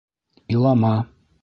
Илама...